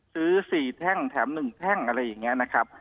ซื้อ๔แท่งแถม๑แท่งอะไรอย่างนี้นะครับ